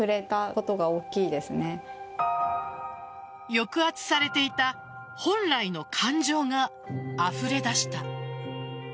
抑圧されていた本来の感情があふれ出した。